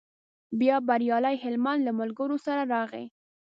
بیا بریالی هلمند له ملګرو سره راغی.